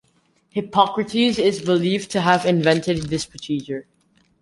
Hippocrates is believed to have invented this procedure.